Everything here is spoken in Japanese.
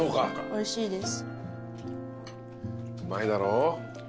おいしいです。